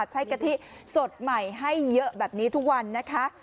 กะทิสดใหม่ให้เยอะแบบนี้ทุกวันนะคะ